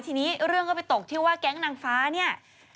ทีนี้เรื่องก็ไปตกที่ว่าแก๊งนางฟ้าเนี่ย